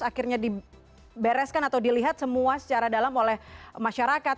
akhirnya dibereskan atau dilihat semua secara dalam oleh masyarakat